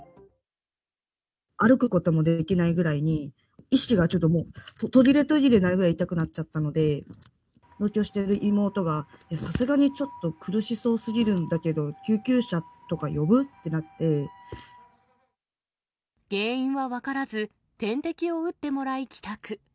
歩くこともできないくらいに、意識がもう、途切れ途切れになるぐらい痛くなっちゃったので、同居している妹が、いや、さすがにちょっと苦しそうすぎるんだけ原因は分からず、点滴を打ってもらい、帰宅。